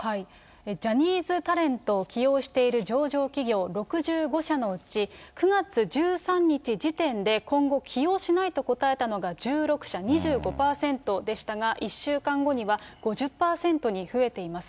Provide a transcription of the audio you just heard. ジャニーズタレントを起用している上場企業６５社のうち、９月１３日時点で今後起用しないと答えたのが１６社２５％でしたが、１週間後には５０％に増えています。